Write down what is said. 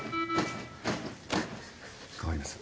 代わります。